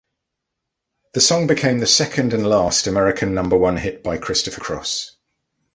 The song became the second and last American number one hit by Christopher Cross.